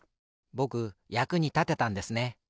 ぼくやくにたてたんですね。